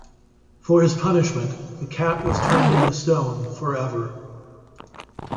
For his punishment, the cat was turned into stone for ever.